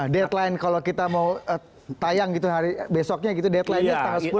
deadline kalau kita mau tayang gitu hari besoknya gitu deadline nya tanggal sepuluh